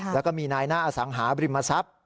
แล้วก็มีนายหน้าอสังหาบริมทรัพย์